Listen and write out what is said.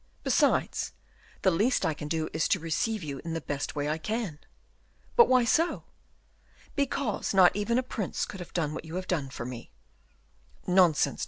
Besides, the least I can do is to receive you in the best way I can." "But why so?" "Because not even a prince could have done what you have done for me." "Nonsense!